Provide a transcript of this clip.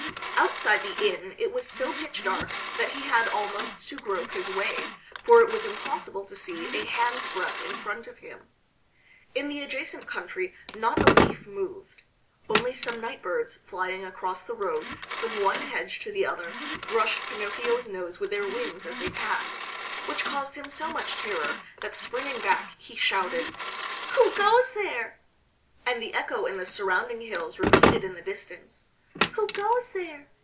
Outside the inn it was so pitch dark that he had almost to grope his way, for it was impossible to see a hand's breadth in front of him. In the adjacent country not a leaf moved. Only some night birds flying across the road from one hedge to the other brushed Pinocchio's nose with their wings as they passed, which caused him so much terror that springing back, he shouted: "Who goes there?" and the echo in the surrounding hills repeated in the distance: "Who goes there?